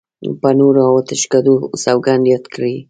په نور او آتشکدو سوګند یاد کړی و.